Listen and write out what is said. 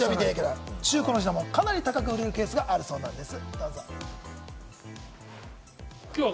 中古の品物、かなり高く売れるケースがあるらしいんです。